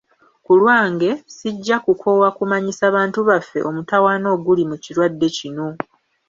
Kulwange, sijja kukoowa kumanyisa bantu baffe omutawaana oguli mu kirwadde kino.